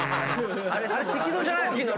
あれ赤道じゃないの？